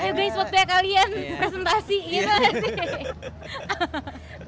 ayo guys buat pihak kalian presentasi gitu